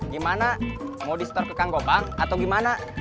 gimana mau di store ke kang gopang atau gimana